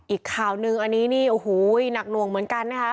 อีกข่าวนึงอันนี้นี่โอ้โหหนักหน่วงเหมือนกันนะคะ